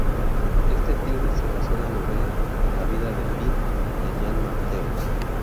Este filme se basó en la novela "La vida de Pi" de Yann Martel.